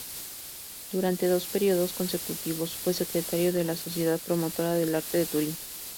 Durante dos períodos consecutivos fue secretario de la Sociedad Promotora del Arte de Turín.